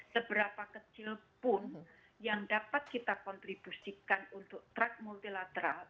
seberapa kecil pun yang dapat kita kontribusikan untuk truk multilateral